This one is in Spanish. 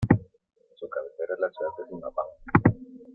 Su cabecera es la ciudad de Zimapán.